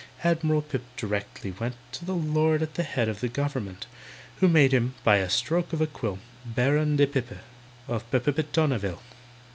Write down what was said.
ADMIRAL PIP directly went To the Lord at the head of the Government, Who made him, by a stroke of a quill, BARON DE PIPPE, OF PIPPETONNEVILLE.